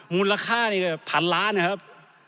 มูลค่านี่ก็พันล้านนะครับ